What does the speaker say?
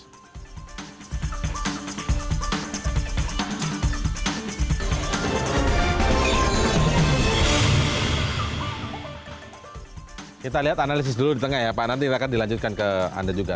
kita lihat analisis dulu di tengah ya pak nanti akan dilanjutkan ke anda juga